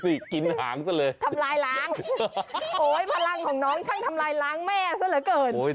นี่กินหางซะเลย